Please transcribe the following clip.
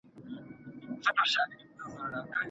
که پر ماشوم ظلم وسي نو پوهي ته یې زړه نه کیږي.